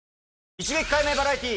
一撃解明バラエティ。